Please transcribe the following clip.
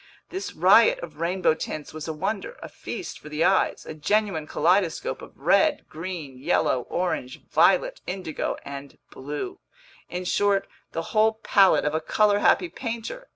This riot of rainbow tints was a wonder, a feast for the eyes: a genuine kaleidoscope of red, green, yellow, orange, violet, indigo, and blue; in short, the whole palette of a color happy painter!